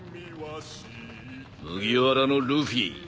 麦わらのルフィ。